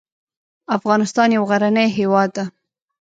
افغانستان یو غرنې هیواد ده